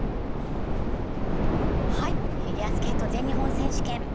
フィギュアスケート全日本選手権。